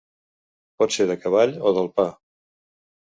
Pot ser de cavall o del pa.